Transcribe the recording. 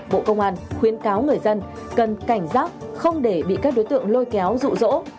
bộ công an khuyến cáo người dân cần cảnh giác không để bị các đối tượng lôi kéo rụ rỗ